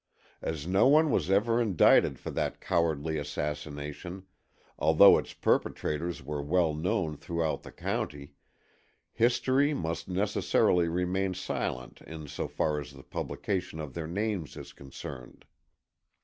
As no one was ever indicted for that cowardly assassination, although its perpetrators were well known throughout the county, history must necessarily remain silent in so far as the publication of their names is concerned.